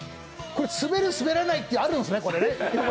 これ、スベる、スベらないってあるんですね？